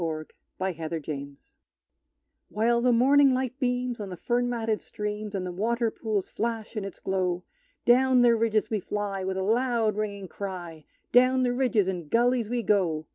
Song of the Cattle Hunters While the morning light beams on the fern matted streams, And the water pools flash in its glow, Down the ridges we fly, with a loud ringing cry Down the ridges and gullies we go!